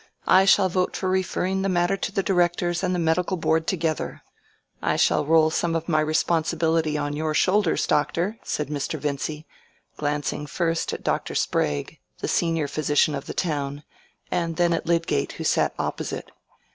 I shall vote for referring the matter to the Directors and the Medical Board together. I shall roll some of my responsibility on your shoulders, Doctor," said Mr. Vincy, glancing first at Dr. Sprague, the senior physician of the town, and then at Lydgate who sat opposite.